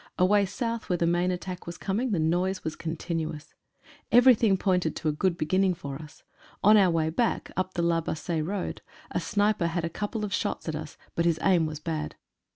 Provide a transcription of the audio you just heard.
Away south where the main at tack was coming the noise was continuous. Everything 120 THE BIG BOMBARDMENT. pointed to a good beginning for us. On our way back, up the La Bassee road, a sniper had a couple of shots at us, but his aim was bad.